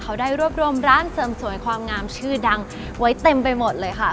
เขาได้รวบรวมร้านเสริมสวยความงามชื่อดังไว้เต็มไปหมดเลยค่ะ